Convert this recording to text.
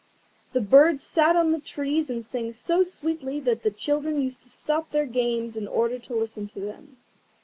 The birds sat on the trees and sang so sweetly that the children used to stop their games in order to listen to them.